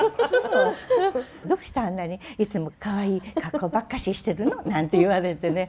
「どうしてあんなにいつもかわいい格好ばっかししてるの」なんて言われてね。